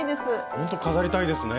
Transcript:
ほんと飾りたいですね！